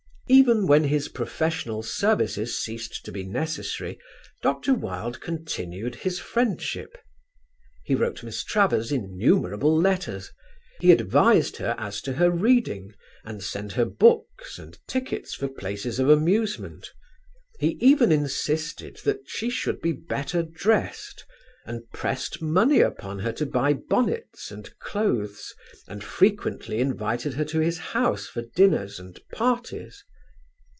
Even when his professional services ceased to be necessary, Dr. Wilde continued his friendship. He wrote Miss Travers innumerable letters: he advised her as to her reading and sent her books and tickets for places of amusement: he even insisted that she should be better dressed, and pressed money upon her to buy bonnets and clothes and frequently invited her to his house for dinners and parties.